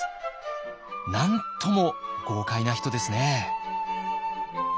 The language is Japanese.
なんとも豪快な人ですね。